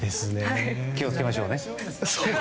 気をつけましょうね。